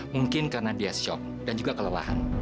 mungkin karena dia shock dan juga kelelahan